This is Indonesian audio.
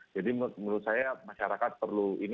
jadi menurut saya masyarakat perlu